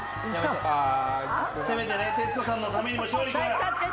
せめて徹子さんのためにも勝利君。